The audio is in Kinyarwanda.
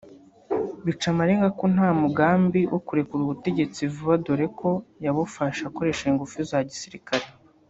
Bica amarenga ko nta mugambi wo kurekura ubutegetsi vuba dore ko yabufashe akoresheje ingufu za gisirikare